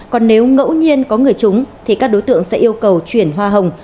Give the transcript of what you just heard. còn nếu ngẫu nhiên có người chúng thì các đối tượng sẽ yêu cầu chuyển hoa hồng